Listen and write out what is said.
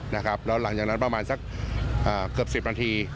แล้วหลังจากนั้นประมาณสักเกือบ๑๐นาที